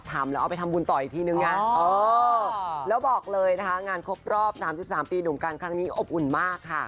ชื่อที่เขาเล่นในละคร